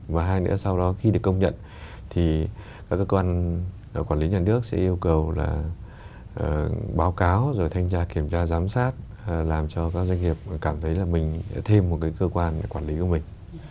và hai nữa sau đó khi được công nhận thì các cơ quan quản lý nhà nước sẽ yêu cầu là báo cáo rồi thanh tra kiểm tra giám sát làm cho các doanh nghiệp cảm thấy là mình thêm một cơ quan quản lý của mình